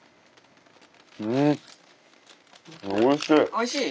おいしい？